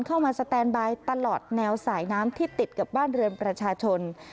สแตนบายตลอดแนวสายน้ำที่ติดกับบ้านเรือนประชาชน